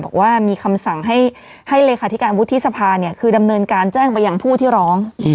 บอกว่ามีคำสั่งให้เลขาธิการวุฒิสภาเนี่ยคือดำเนินการแจ้งไปยังผู้ที่ร้อง